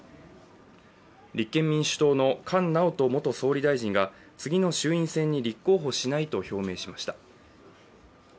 立憲民主党の菅直人元総理大臣が次の衆院選に立候補しないと表明しました。